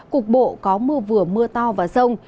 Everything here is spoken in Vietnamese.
cục bộ có mưa vừa mưa to và rông